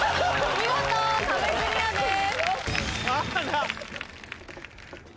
見事壁クリアです。